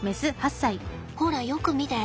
ほらよく見て。